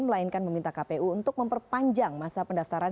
melainkan meminta kpu untuk memperpanjang masa pendaftaran